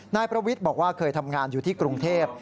นายประวิทย์บอกว่าเคยทำงานอยู่ที่กรุงเทพ